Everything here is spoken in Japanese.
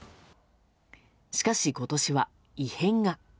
しかし今年は、異変が。